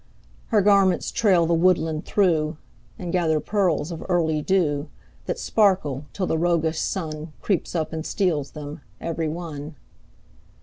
Her garments trail the woodland through, And gather pearls of early dew That sparkle till the roguish Sun Creeps up and steals them every one.